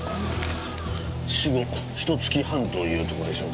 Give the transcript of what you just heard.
死後ひと月半というとこでしょうか。